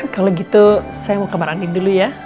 kalo gitu saya mau ke kamar anin dulu ya